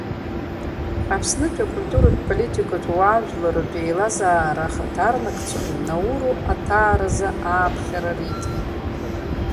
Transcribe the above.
Аԥснытәи акультуратә политикатә уаажәларратә еилазаара ахаҭарнакцәа Науру аҭааразы ааԥхьара риҭеит.